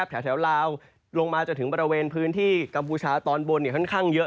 แถวลาวลงมาจนถึงบริเวณพื้นที่กัมพูชาตอนบนค่อนข้างเยอะ